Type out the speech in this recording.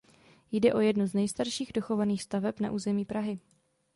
Jde o jednu z nejstarších dochovaných staveb na území Prahy.